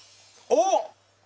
おっ！